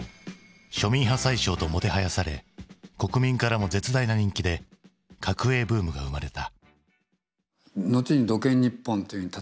「庶民派宰相」ともてはやされ国民からも絶大な人気で角栄ブームが生まれた。